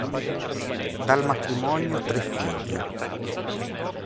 Dal matrimonio tre figli.